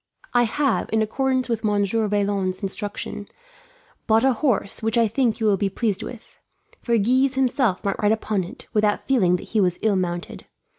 "I have, in accordance with Monsieur Vaillant's instructions, bought a horse, which I think you will be pleased with; for Guise himself might ride upon it, without feeling that he was ill mounted.